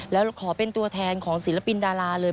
แล้วขอเป็นตัวแทนของศิลปินดาราเลย